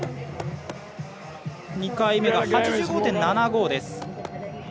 ２回目が８５．７５です。